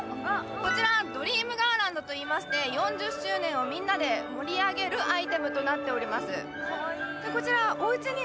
こちらはドリームガーランドといいまして４０周年をみんなで盛り上げるアイテムとなっております